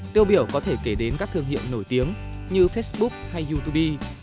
tiêu biểu có thể kể đến các thương hiệu nổi tiếng như facebook hay youtube